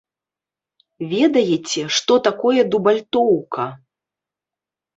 Ведаеце, што такое дубальтоўка?